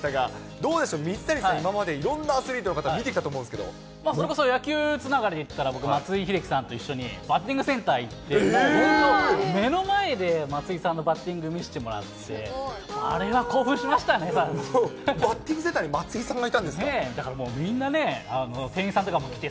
どうでしょう、水谷さん、今までいろんなアスリートの方、見てきそれこそ野球つながりで言ったら、僕、松井秀喜さんと一緒にバッティングセンター行って、本当、目の前で、松井さんのバッティング見せてもらって、あれは興奮しましたバッティングセンターに松井ねえ、だからもうね、みんなね、店員さんとかも来て、